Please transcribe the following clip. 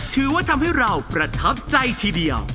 ถือว่าทำให้เราประทับใจทีเดียว